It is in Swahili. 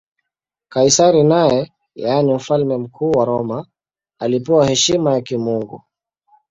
Kaisari naye, yaani Mfalme Mkuu wa Roma, alipewa heshima ya kimungu.